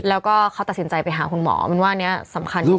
แล้วก็เขาตัดสินใจไปหาคุณหมอมันว่าอันนี้สำคัญที่สุด